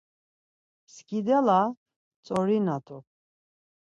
Skidala ntzorina t̆u.